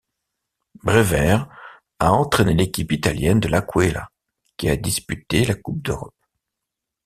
Brewer a entraîné l'équipe italienne de L'Aquila qui a disputé la coupe d'Europe.